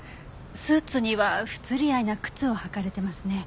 スーツには不釣り合いな靴を履かれていますね。